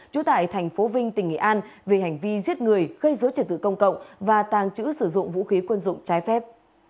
chú tải tp vinh tỉnh nghệ an về hành vi giết người gây dối trật tự công cộng và tàng trữ sử dụng vũ khí quân dụng trái phép